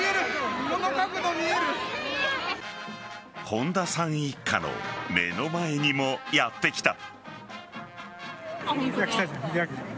本田さん一家の目の前にもやってきた。